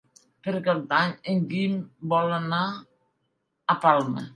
Per Cap d'Any en Guim vol anar a Palma.